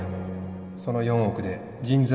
その４億で人材